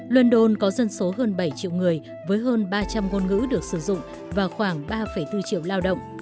london có dân số hơn bảy triệu người với hơn ba trăm linh ngôn ngữ được sử dụng và khoảng ba bốn triệu lao động